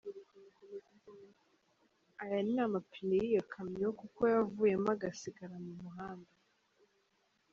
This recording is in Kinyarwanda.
Aya ni amapine y'iyo kamyo kuko yavuyemo agasigara mu muhanda.